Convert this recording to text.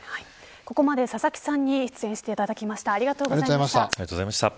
ここまで佐々木さんに出演していただきました。